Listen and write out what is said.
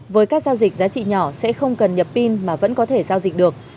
với các giao dịch giá trị nhỏ sẽ không cần nhập pin mà vẫn có thể giao dịch được